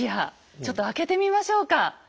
ちょっと開けてみましょうか。